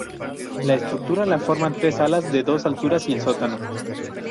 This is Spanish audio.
La estructura la forman tres alas de dos alturas y el sótano.